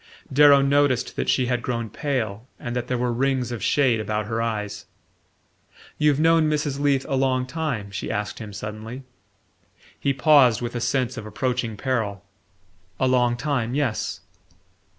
Darrow noticed that she had grown pale and that there were rings of shade about her eyes. "You've known Mrs. Leath a long time?" she asked him suddenly. He paused with a sense of approaching peril. "A long time yes."